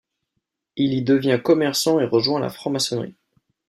Il y devient commerçant et rejoint la franc-maçonnerie.